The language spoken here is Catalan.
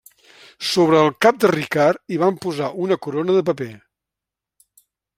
Sobre el cap de Ricard hi van posar una corona de paper.